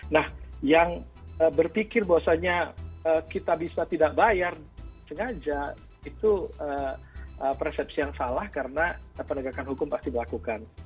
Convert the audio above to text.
nah yang berpikir bahwasanya kita bisa tidak bayar sengaja itu persepsi yang salah karena penegakan hukum pasti dilakukan